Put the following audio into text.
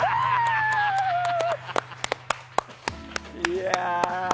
いや。